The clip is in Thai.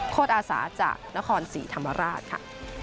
อาสาจากนครศรีธรรมราชค่ะ